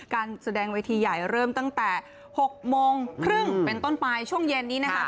การแสดงเวทีใหญ่เริ่มตั้งแต่๖โมงครึ่งเป็นต้นไปช่วงเย็นนี้นะคะ